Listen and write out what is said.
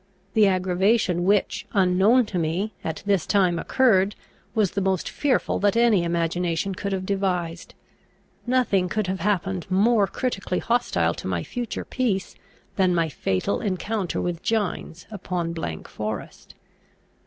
The aggravation which, unknown to me, at this time occurred was the most fearful that any imagination could have devised. Nothing could have happened more critically hostile to my future peace, than my fatal encounter with Gines upon forest.